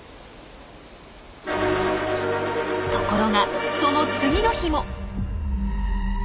ところがその次の日も。